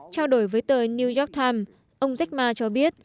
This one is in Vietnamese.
trao đổi với tờ new york times ông jack ma cho biết